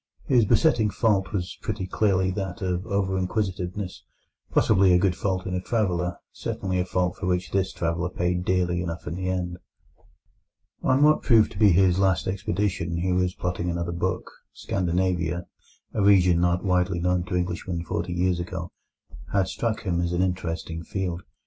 His besetting fault was pretty clearly that of over inquisitiveness, possibly a good fault in a traveller, certainly a fault for which this traveller paid dearly enough in the end. On what proved to be his last expedition, he was plotting another book. Scandinavia, a region not widely known to Englishmen forty years ago, had struck him as an interesting field.